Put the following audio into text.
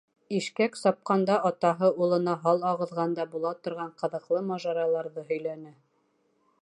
Ишкәк сапҡанда атаһы улына һал ағыҙғанда була торған ҡыҙыҡлы мажараларҙы һөйләне.